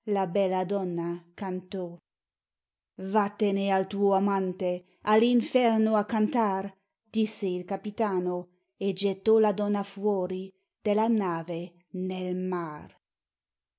La bella donna cantò. "Vattene al tuo amante All'inferno a cantar!" Disse il Capitano, E gettò la donna fuori Della nave nel mar.